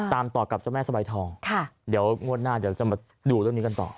ตามต่อกับเจ้าแม่สบายทองเดี๋ยวงวดหน้าเดี๋ยวจะมาดูเรื่องนี้กันต่อ